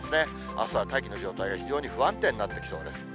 あすは大気の状態が非常に不安定になってきそうです。